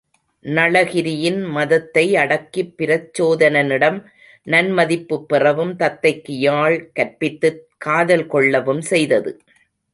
நளகிரியின் மதத்தை அடக்கிப் பிரச்சோதனனிடம் நன்மதிப்புப் பெறவும், தத்தைக்கு யாழ் கற்பித்துக் காதல் கொள்ளவும் செய்தது.